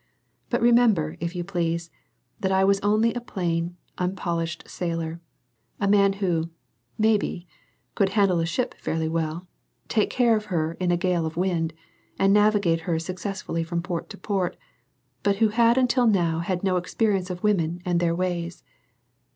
But remember, if you please, that I was only a plain, unpolished sailor; a man who, maybe, could handle a ship fairly well, take care of her in a gale of wind, and navigate her successfully from port to port, but who had until now had no experience of women and their ways.